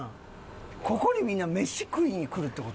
ここにみんな飯食いに来るって事だ。